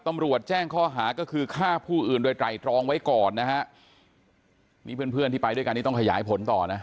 ตำรวจแจ้งข้อหาก็คือฆ่าผู้อื่นโดยไตรตรองไว้ก่อนนะฮะนี่เพื่อนเพื่อนที่ไปด้วยกันนี่ต้องขยายผลต่อนะ